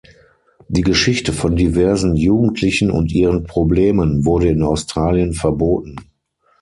Die Geschichte von diversen Jugendlichen und ihren Problemen wurde in Australien verboten.